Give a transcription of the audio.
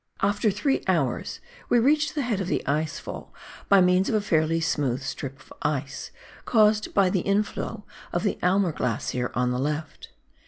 After three hours we reached the head of the ice fall by means of a fairly smooth strip of ice, caused by the inflow of the Aimer Glacier on the left.